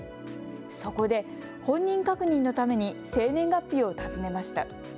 そこで本人確認のために生年月日を尋ねました。